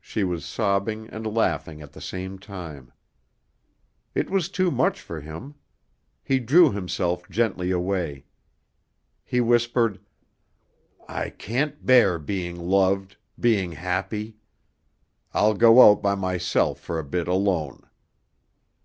She was sobbing and laughing at the same time. It was too much for him. He drew himself gently away. He whispered: "I can't bear being loved being happy. I'll go out by myself for a bit alone.